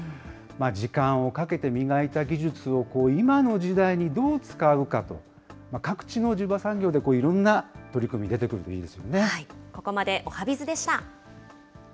時間をかけて磨いた技術を今の時代にどう使うかと、各地の地場産業で、いろんな取り組み、出てくるといいですよね。